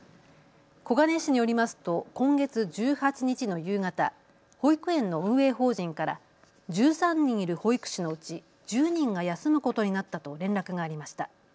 小金井市によりますと今月１８日の夕方、保育園の運営法人から１３人いる保育士のうち１０人が休むことになったと連絡がありました。